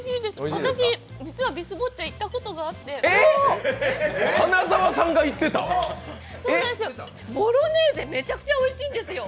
私、実はビスボッチャ、行ったことがあってボロネーゼ、めちゃくちゃおいしいんですよ！